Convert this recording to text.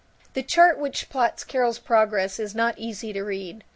V The chart which plots Carol's progress is not easy to read.